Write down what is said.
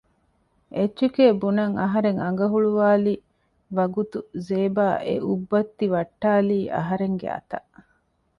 އެއްޗެކޭ ބުނަން އަހަރެން އަނގަ ހުޅުވއިލި ވަގުތު ޒޭބާ އެ އުއްބައްތި ވައްޓައިލީ އަހަރެންގެ އަތަށް